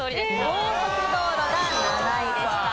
高速道路が７位でした。